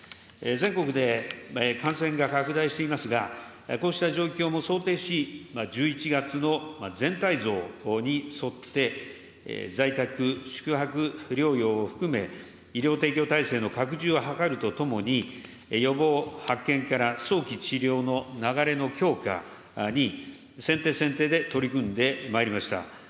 全国で感染が拡大していますが、こうした状況も想定し、１１月の全体像に沿って、在宅、宿泊療養を含め、医療提供体制の拡充を図るとともに、予防、発見から早期治療の流れの強化に、先手先手で取り組んでまいりました。